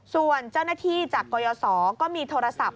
ส่วนเจ้าหน้าที่จากกรยศก็มีโทรศัพท์